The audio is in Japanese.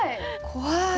怖い。